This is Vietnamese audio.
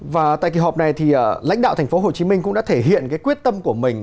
và tại kỳ họp này thì lãnh đạo tp hcm cũng đã thể hiện cái quyết tâm của mình